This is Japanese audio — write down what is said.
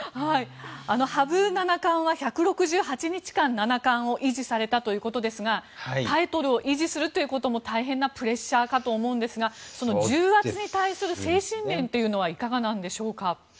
羽生七冠は１６８日間七冠を維持されたということですがタイトルを維持するということも大変なプレッシャーかと思いますが重圧に対する精神面はいかがなんでしょうか。